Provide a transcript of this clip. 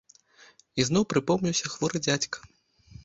Ізноў прыпомніўся хворы дзядзька.